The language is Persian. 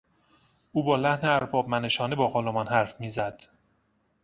او با لحن اربابمنشانه با غلامان حرف میزد.